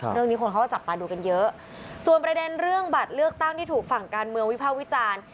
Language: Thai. เรื่องนี้คนเขาก็จับตาดูกันเยอะส่วนประเด็นเรื่องบัตรเลือกตั้งที่ถูกฝั่งการเมืองวิภาควิจารณ์